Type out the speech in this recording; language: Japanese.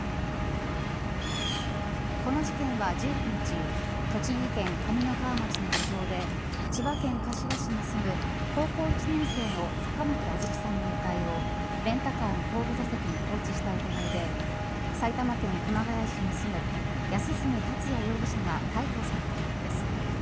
この事件は１９日栃木県上三川町の路上で千葉県柏市に住む高校１年生の坂巻杏月さんの遺体をレンタカーの後部座席に放置した疑いで埼玉県熊谷市に住む安栖達也容疑者が逮捕されたものです。